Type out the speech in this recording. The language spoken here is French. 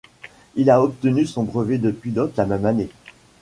Il a obtenu son brevet de pilote la même année.